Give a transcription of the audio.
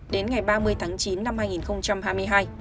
đến ngày ba mươi tháng chín năm hai nghìn hai mươi hai